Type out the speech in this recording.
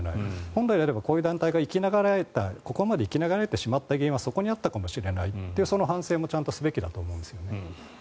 本来ならば、こういった団体がここまで生き永らえてしまった原因はそこにあったかもしれないその反省もちゃんとすべきだと思うんですよね。